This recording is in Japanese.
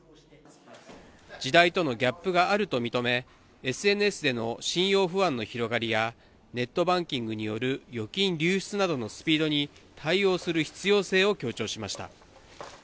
時代とのギャップがあると認め、ＳＮＳでの信用不安の広がりやネットバンキングによる預金流出のスピードなどに対応する必要性を強調しました。